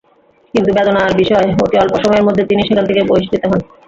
কিন্তু বেদনার বিষয়, অতি অল্প সময়ের মধ্যে তিনি সেখান থেকে বহিষ্কৃত হন।